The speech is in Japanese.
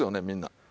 みんな。